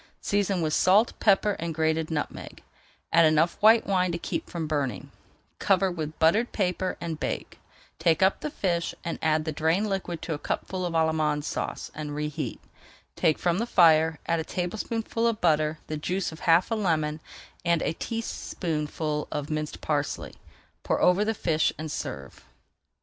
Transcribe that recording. Season with salt, pepper, and grated nutmeg, add enough white wine to keep from burning, cover with buttered paper, and bake. Take up the fish and add the drained liquid to a cupful of Allemande Sauce and reheat. Take from the fire, add a tablespoonful of butter, the juice of half a lemon, and a teaspoonful of minced parsley. Pour over the fish and serve.